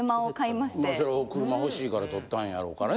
まあそれは車欲しいから取ったんやろうからね。